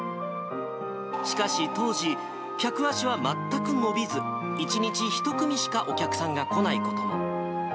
しかし当時、客足は全く伸びず、１日１組しかお客さんが来ないことも。